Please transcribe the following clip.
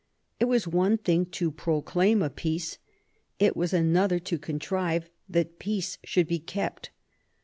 It was one thing to proclaim a peace ; it was another to contrive that peace should be kept.